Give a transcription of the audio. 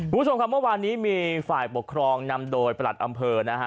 คุณผู้ชมครับเมื่อวานนี้มีฝ่ายปกครองนำโดยประหลัดอำเภอนะฮะ